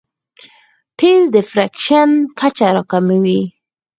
تېل د فریکشن کچه راکموي.